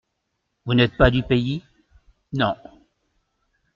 Vous n'êtes pas du pays ? Non.